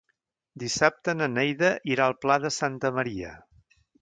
Dissabte na Neida irà al Pla de Santa Maria.